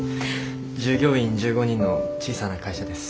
従業員１５人の小さな会社です。